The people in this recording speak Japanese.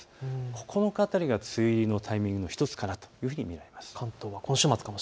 ９日辺りが梅雨入りのタイミングの１つかなというふうに見られます。